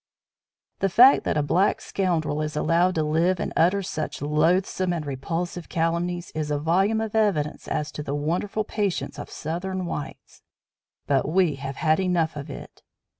The fact that a black scoundrel is allowed to live and utter such loathsome and repulsive calumnies is a volume of evidence as to the wonderful patience of Southern whites. But we have had enough of it.